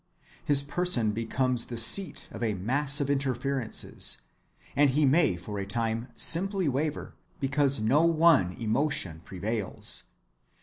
His person becomes the seat of a mass of interferences; and he may for a time simply waver, because no one emotion prevails.